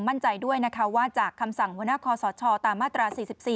มั่นใจด้วยนะคะว่าจากคำสั่งหัวหน้าคอสชตามมาตรา๔๔